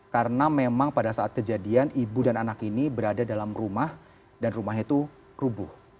karena memang pada saat kejadian ibu dan anak ini berada dalam rumah dan rumahnya itu rubuh